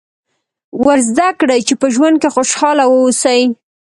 ور زده کړئ چې په ژوند کې خوشاله واوسي.